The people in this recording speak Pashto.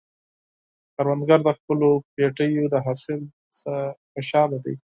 کروندګر د خپلو پټیو د حاصل څخه خوشحال دی